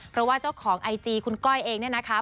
เพราะว่าเจ้าของไอจีคุณก้อยเองเนี่ยนะคะ